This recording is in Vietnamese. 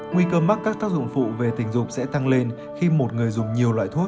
nguy cơ mắc các tác dụng phụ về tình dục sẽ tăng lên khi một người dùng nhiều loại thuốc